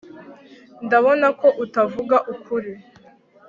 Ndabona ko utavuga ukuri